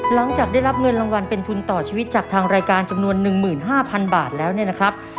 หลังจากได้รับเงินรางวัลเป็นทุนต่อชีวิตจากทางรายการจำนวน๑๕๐๐๐บาทแล้วเนี่ยนะครับ